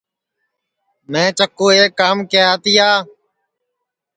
میں چکُُو ایک کام کیہیا تیا